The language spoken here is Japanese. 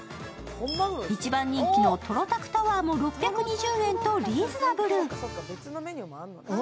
一番人気のトロタクタワーも６２０円とリーズナブル。